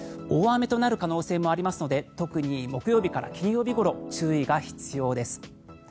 大雨となる可能性もありますので特に木曜日から金曜日ごろ注意が必要です。